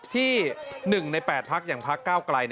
ที่๑ใน๘ภักดิ์อย่างภาคเก้าไกร